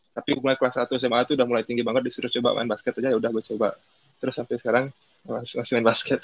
tapi mulai kelas satu sma itu udah mulai tinggi banget disuruh coba main basket aja ya udah coba terus sampai sekarang masih main basket